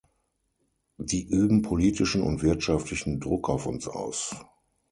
Die üben politischen und wirtschaftlichen Druck auf uns aus.